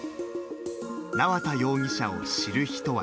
縄田容疑者を知る人は